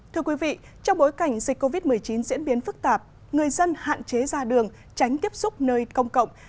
thưa quý vị trong bối cảnh dịch covid một mươi chín diễn biến phức tạp người dân hạn chế ra đường tránh tiếp xúc nơi công cộng